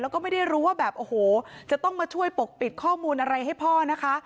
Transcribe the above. แล้วก็ไม่ได้รู้ว่าแบบโอ้โหจะต้องมาช่วยปกปิดข้อมูลอะไรให้พ่อนะคะ